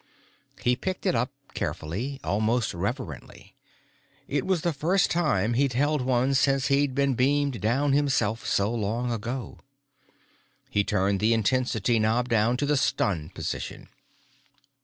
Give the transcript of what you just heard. He picked it up carefully, almost reverently. It was the first time he'd held one since he'd been beamed down himself, so long ago. He turned the intensity knob down to the "stun" position.